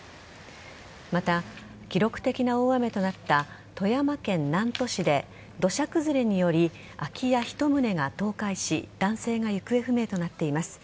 また、記録的な大雨となった富山県南砺市で土砂崩れにより空き家１棟が倒壊し男性が行方不明となっています。